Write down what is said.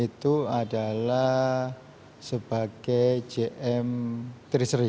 itu adalah sebagai jm treasury